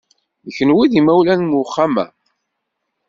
D kenwi ay d imawlan n uxxam-a?